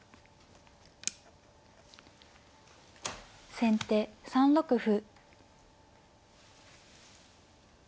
先手３六歩。